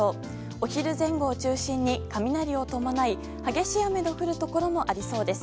お昼前後を中心に、雷を伴い激しい雨の降るところもありそうです。